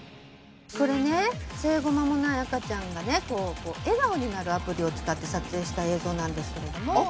これね生後間もない赤ちゃんが笑顔になるアプリを使って撮影した映像なんですけれども。